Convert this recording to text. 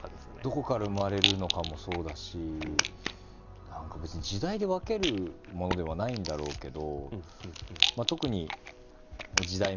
どこから生まれるのかもそうだし何か別に時代で分けるものではないんだろうけど。